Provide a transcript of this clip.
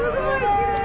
きれい。